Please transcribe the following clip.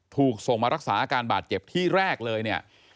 ถูกส่งมารักษาอาการบาดเจ็บที่แรกเลยเนี่ย